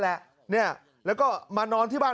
การนอนไม่จำเป็นต้องมีอะไรกัน